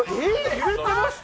揺れてました？